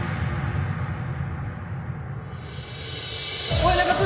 ・おい中津。